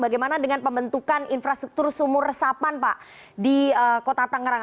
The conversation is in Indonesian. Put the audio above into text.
bagaimana dengan pembentukan infrastruktur sumur resapan pak di kota tangerang